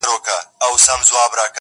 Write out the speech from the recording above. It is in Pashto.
• یو چا سپی ښخ کړئ دئ په هدیره کي,